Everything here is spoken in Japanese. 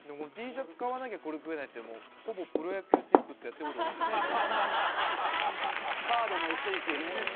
Ｔシャツ買わなきゃこれ食えないって、もう、ほぼプロ野球チップスとやってること同じ。